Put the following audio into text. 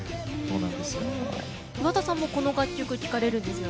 岩田さんもこの楽曲聴かれるんですよね。